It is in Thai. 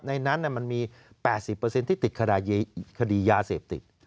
ในนั้นมันมี๘๐ที่ติดคดียาเสพติด